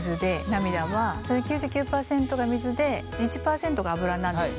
その９９％が水で１％がアブラなんですね。